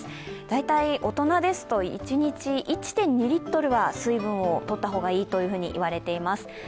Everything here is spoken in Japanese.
大体大人ですと一日１．２リットルは水分を取った方がいいと言われています。